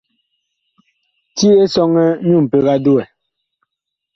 Ti Esɔŋɛ nyu mpeg a duwɛ.